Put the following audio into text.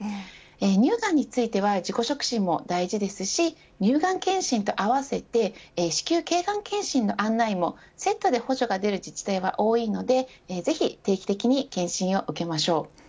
乳がんについては自己触診も大事ですし乳がん検診とあわせて子宮頚がん検診の案内もセットで補助が出る自治体は多いのでぜひ定期的に検診を受けましょう。